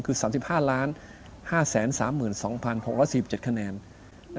คือ๓๕๕๓๒๖๔๗คะแนน